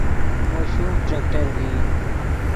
مو شوم ٹریکٹر ڤئی